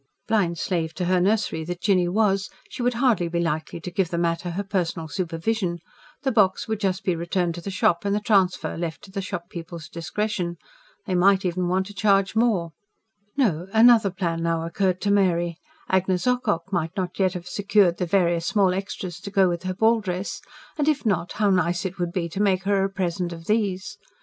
Blind slave to her nursery that Jinny was, she would hardly be likely to give the matter her personal supervision: the box would just be returned to the shop, and the transfer left to the shop people's discretion. They might even want to charge more. No, another plan now occurred to Mary. Agnes Ocock might not yet have secured the various small extras to go with her ball dress; and, if not, how nice it would be to make her a present of these.